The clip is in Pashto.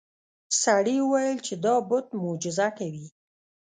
سړي وویل چې دا بت معجزه کوي.